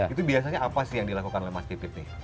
itu biasanya apa sih yang dilakukan lemas pipit nih